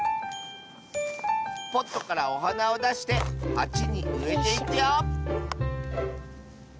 ポットからおはなをだしてはちにうえていくよ